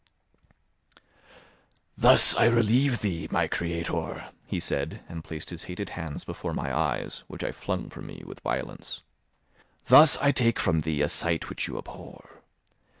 "Thus I relieve thee, my creator," he said, and placed his hated hands before my eyes, which I flung from me with violence; "thus I take from thee a sight which you abhor.